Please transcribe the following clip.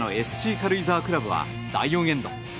軽井沢クラブは第４エンド。